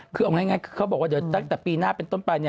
คือเอาง่ายเขาบอกว่าเดี๋ยวตั้งแต่ปีหน้าเป็นต้นไป